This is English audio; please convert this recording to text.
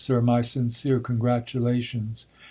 Sir, my sincere congratulations.